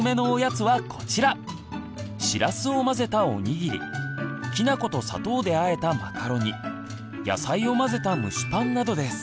しらすを混ぜたおにぎりきなこと砂糖であえたマカロニ野菜を混ぜた蒸しパンなどです。